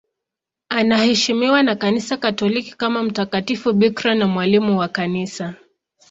Anaheshimiwa na Kanisa Katoliki kama mtakatifu bikira na mwalimu wa Kanisa.